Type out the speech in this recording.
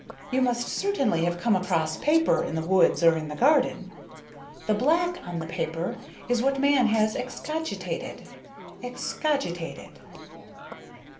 You must certainly have come across paper in the woods or in the garden. The black on the paper is what man has excogitated excogitated."